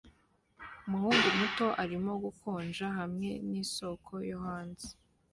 Umuhungu muto arimo gukonja hamwe nisoko yo hanze